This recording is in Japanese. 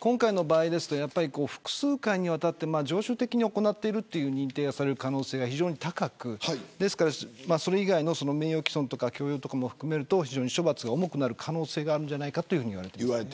今回の場合ですと複数回にわたって常習的に行っているという認定をされる可能性が高くそれ以外の名誉毀損とか強要とかも含めると処罰が重くなる可能性もあると言われています。